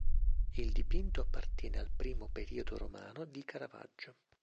Il dipinto appartiene al primo periodo romano di Caravaggio.